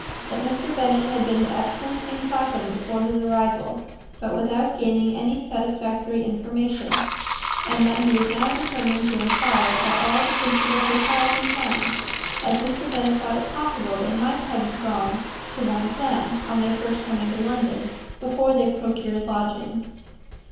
That Mr. Bennet had been to Epsom and Clapham, before his arrival, but without gaining any satisfactory information; and that he was now determined to inquire at all the principal hotels in town, as Mr. Bennet thought it possible they might have gone to one of them, on their first coming to London, before they procured lodgings.